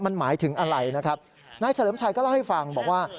มันหมายถึงอะไรนะครับนายเฉลิมชัยก็เล่าให้ฟังบอกว่า